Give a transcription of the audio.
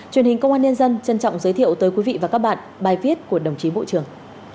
truyền hình công an nhân dân trân trọng giới thiệu tới quý vị và các bạn bài viết của đồng chí bộ trưởng